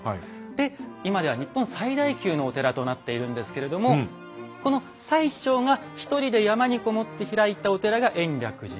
で今では日本最大級のお寺となっているんですけれどもこの最澄が１人で山にこもって開いたお寺が延暦寺。